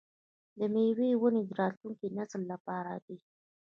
د میوو ونې د راتلونکي نسل لپاره دي.